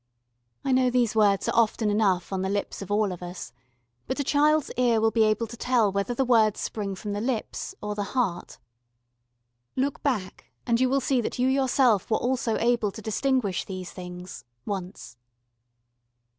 I know these words are often enough on the lips of all of us, but a child's ear will be able to tell whether the words spring from the lips or the heart. Look back, and you will see that you yourself were also able to distinguish these things once.